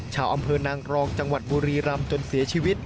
ชาวอำเภอนางรองจังหวัดบุรีรำจนเสียชีวิต